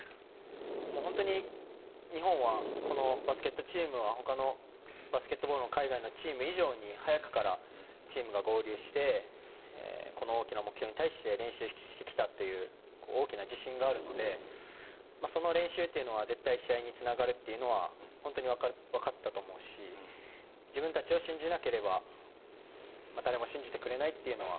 本当に、日本はこのバスケットチームは他のバスケットボールの海外のチーム以上に早くからチームが合流してこの大きな目標に対して練習をしてきたという大きな自信があるのでその練習というのが絶対に試合につながるというのは本当に分かってたと思うし自分たちを信じなければ誰も信じてくれないというのは